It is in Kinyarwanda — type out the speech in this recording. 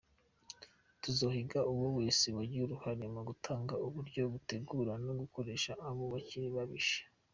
"Tuzohiga uwo wese yagize uruhara mu gutanga uburyo, gutegura no gukoresha ako kabi kabishe.